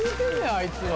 あいつは。